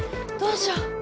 どうしよう。